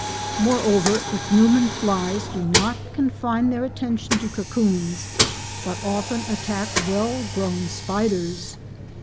Moreover, Ichneumon flies do not confine their attention to cocoons, but often attack well grown spiders.